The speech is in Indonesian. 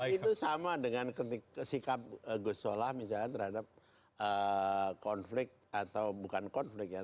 itu sama dengan sikap gus solah misalnya terhadap konflik atau bukan konflik ya